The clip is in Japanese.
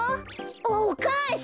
お母さん！